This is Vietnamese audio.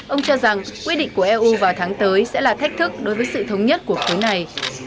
ông cho rằng quyết định của eu vào tháng tới sẽ là thách thức đối với sự thống nhất của khối này